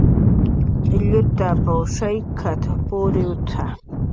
"Llutap"" shaykta puriwq""t""a "